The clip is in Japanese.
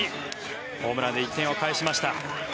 ホームランで１点を返しました。